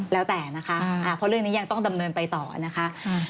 แล้วแต่นะคะเพราะเรื่องนี้ยังต้องดำเนินไปต่อนะคะ